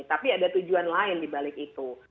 tapi ada tujuan lain di balik itu